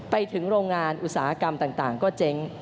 ไปถึงโรงงานอุตสาหกรรมต่างก็เจ๊ง